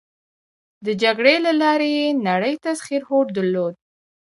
د جګړې له لارې یې نړی تسخیر هوډ درلود.